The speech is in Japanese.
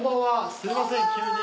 すみません急に。